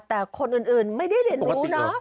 แต่คนอื่นไม่ได้เรียนรู้เนอะ